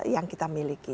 yang kita miliki